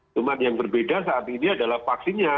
cuma yang berbeda saat ini adalah vaksinnya